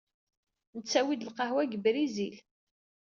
Nettawi-d lqahwa seg Brizil.